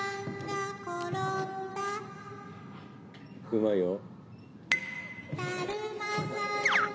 うまいよ。